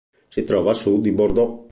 Si trova a sud di Bordeaux.